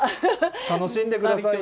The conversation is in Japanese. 楽しんでくださいね。